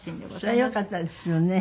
それはよかったですよね。